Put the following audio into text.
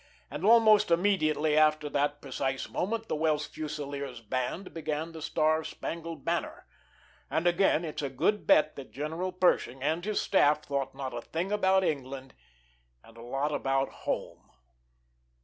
And almost immediately after that precise moment the Welsh Fusiliers' band began the "Star Spangled Banner," and again it's a good bet that General Pershing and his staff thought not a thing about England and a lot about home.